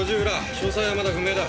詳細はまだ不明だ。